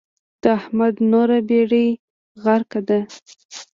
د احمد نوره بېډۍ ميره ده.